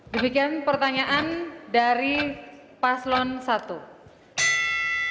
dibikin pertanyaan dari paslon i